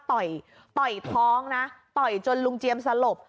ต่อยท้องนะต่อยจนลุงเจียมสลบ